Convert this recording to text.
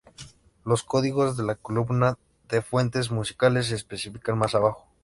Los códigos de la columna de "Fuentes" musicales se especifican más abajo.